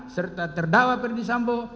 serta terdakwa perdisambo